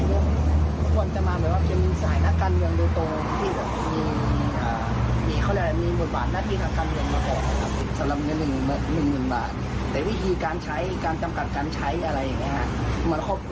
อุ้ยอันนี้คือจำกัดได้หรือเปล่า